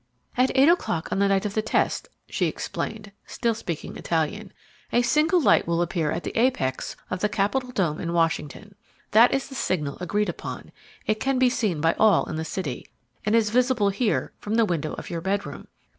"At eight o'clock on the night of the test," she explained, still speaking Italian, "a single light will appear at the apex of the capitol dome in Washington. That is the signal agreed upon; it can be seen by all in the city, and is visible here from the window of your bedroom."